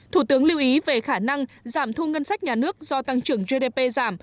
thủ tướng lưu ý về khả năng giảm thu ngân sách nhà nước do tăng trưởng gdp giảm